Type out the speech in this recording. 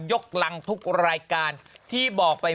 กำลังทุกรายการที่บอกไป